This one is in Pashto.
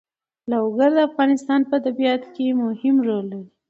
لوگر د افغانستان په طبیعت کې مهم رول لري.